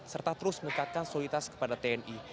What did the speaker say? serta terus meningkatkan soliditas kepada tni